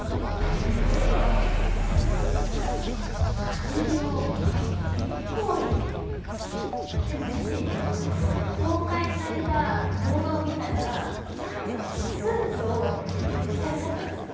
官僚、銀行員でも私、公開された動画を見たら堺さんがスーツを着てらっしゃったんですよ。